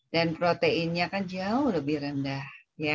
dan proteinnya kan jauh lebih rendah